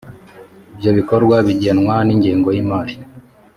ibyo bikorwa bigenerwa ingengo y’imari